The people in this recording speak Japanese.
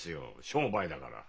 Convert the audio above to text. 商売だから。